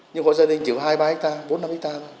nhưng hội gia đình chỉ có hai ba ha bốn năm ha thôi